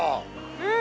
うん。